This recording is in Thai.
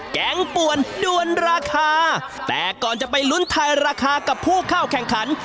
งป่วนด้วนราคาแต่ก่อนจะไปลุ้นทายราคากับผู้เข้าแข่งขัน